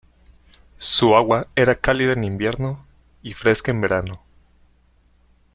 Su agua era cálida en invierno y fresca en verano.